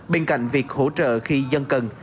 bên cạnh việc hỗ trợ khi dân cần